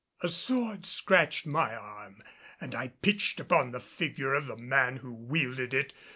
A sword scratched my arm and I pitched upon the figure of the man who wielded it.